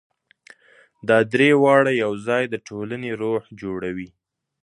دا درې واړه یو ځای د ټولنې روح جوړوي.